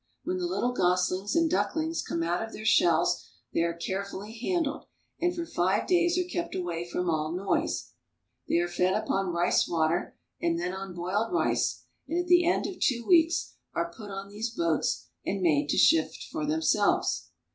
When the little goslings and ducklings come out of their shells, they are carefully handled, and for five days are kept away from all noise. They are fed upon rice water and then on boiled rice, and at the end of two weeks are put on these boats and made to shift for themselves.